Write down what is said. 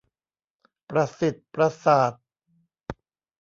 ประสิทธิ์ประสาท